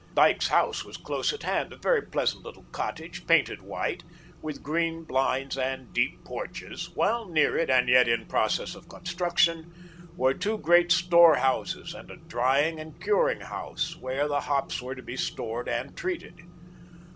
Dyke's house was close at hand, a very pleasant little cottage, painted white, with green blinds and deep porches, while near it and yet in process of construction, were two great storehouses and a drying and curing house, where the hops were to be stored and treated.